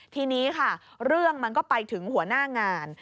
ทีนี้ค่ะเรื่องมันก็ไปถึงหัวหน้างาน